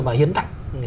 mà hiến tặng